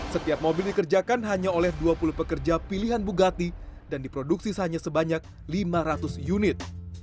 setiap mobil dikerjakan hanya oleh dua puluh pekerja pilihan bugati dan diproduksi hanya sebanyak lima ratus unit